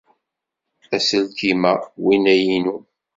Aselkim am winna inu.